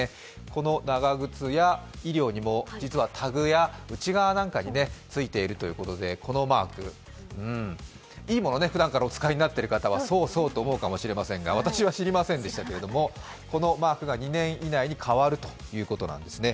この長靴や衣料にも、実はタグや内側なんかについているということで、このマーク。いいものをふだんからお使いになっている方はそうそうと思うかもしれませんが、私は知りませんでしたけれども、このマークが２年以内に変わるということなんですよね。